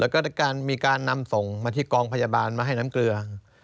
แล้วก็มีการนำส่งมาที่กองพยาบาลมาให้น้ำเกลือ